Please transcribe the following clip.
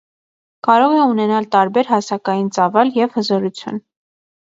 Կարող է ունենալ տարբեր հասակային ծավալ և հզորություն։